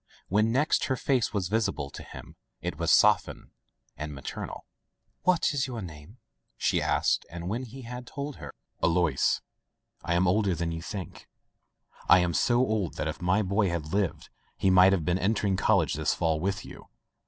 When next her face was visible to him it was softened and maternal. "What is your name?'* she asked, and when he had told her: "Alois — I am older than you think. I am so old that — ^if my boy had lived he might have been entering college this fall with you.